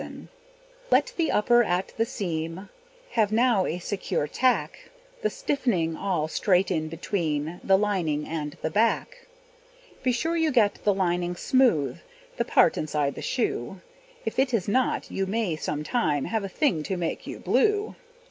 Let the upper at the seam Have now a secure tack; The stiffening, all straight in between The lining and the back. Be sure you get the lining smooth, The part inside the shoe; If it is not, you may sometime Have a thing to make you blue.